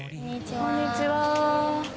こんにちは。